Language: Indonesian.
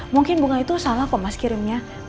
mungkin bunga itu salah kok mas kirimnya